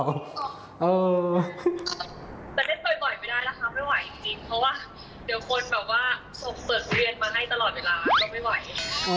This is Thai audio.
แต่เล่นบ่อยไม่ได้นะคะไม่ไหวจริงเพราะว่าเดี๋ยวคนแบบว่าส่งเปิดเรียนมาให้ตลอดเวลาก็ไม่ไหว